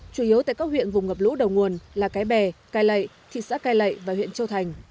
chủ yếu tại các huyện vùng ngập lũ đầu nguồn là cái bè cai lậy thị xã cai lậy và huyện châu thành